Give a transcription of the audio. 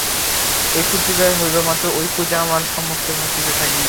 এই প্রতিক্রিয়া হইবামাত্র ঐ কুঁজা আমার সম্মুখে ভাসিতে থাকিবে।